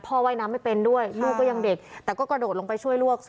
ว่ายน้ำไม่เป็นด้วยลูกก็ยังเด็กแต่ก็กระโดดลงไปช่วยลูก